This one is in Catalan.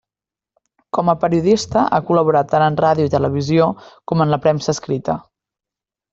Com a periodista ha col·laborat tant en ràdio i televisió com en la premsa escrita.